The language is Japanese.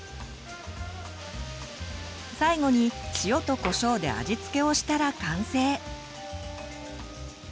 最後に塩とこしょうで味つけをしたら完成。